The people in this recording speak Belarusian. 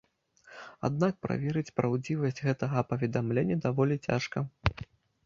Аднак, праверыць праўдзівасць гэтага паведамлення даволі цяжка.